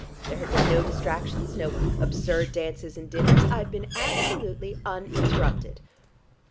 There have been no distractions, no absurd dances and dinners. I've been absolutely uninterrupted.